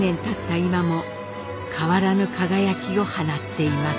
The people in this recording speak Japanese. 今も変わらぬ輝きを放っています。